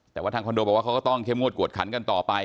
แต่ว่าทางคอนโดบอกว่าเขาก็ต้องเข้มงวดกวดขันกันต่อไป